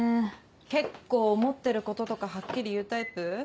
結構思ってることとかはっきり言うタイプ。